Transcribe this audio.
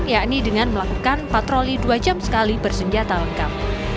yakni dengan melakukan patroli dua jam sekali bersenjata lengkap